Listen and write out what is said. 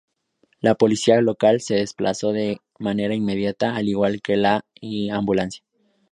La Policía Local se desplazó de manera inmediata al igual que la ambulancia.